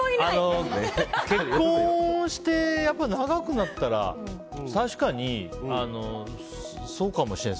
結婚して長くなったら確かにそうかもしれない。